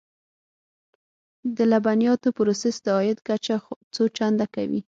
د لبنیاتو پروسس د عاید کچه څو چنده کوي.